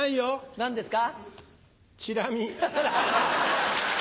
何ですか？